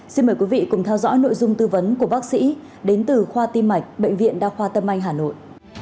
xin mời quý vị cùng theo dõi nội dung tư vấn của bác sĩ đến từ khoa tiêm mạch bệnh viện đa khoa tâm anh hà nội